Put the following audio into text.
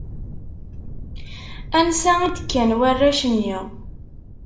Ansa i d-kkan warrac-nni?